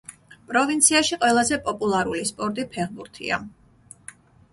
პროვინციაში ყველაზე პოპულარული სპორტი ფეხბურთია.